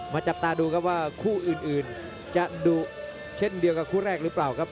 จับตาดูครับว่าคู่อื่นจะดุเช่นเดียวกับคู่แรกหรือเปล่าครับ